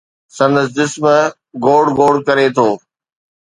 سندس جسم، گوڙ گوڙ ڪري ٿو